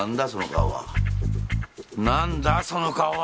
なんだその顔は？